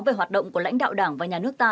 về hoạt động của lãnh đạo đảng và nhà nước ta